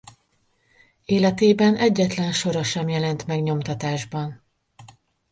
Életében egyetlen sora sem jelent meg nyomtatásban.